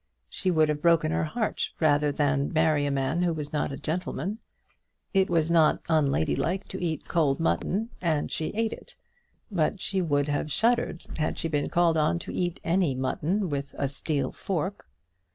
She would have broken her heart rather than marry a man who was not a gentleman. It was not unlady like to eat cold mutton, and she ate it. But she would have shuddered had she been called on to eat any mutton with a steel fork.